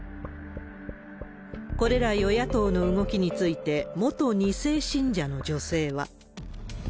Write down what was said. これら与野党の動きについて、元２世信者の女性は。